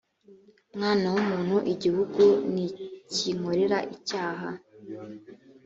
mwana w’umuntu igihugu nikinkorera icyaha